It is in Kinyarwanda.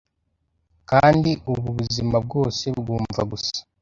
Kandi ubu buzima bwose bwumva gusa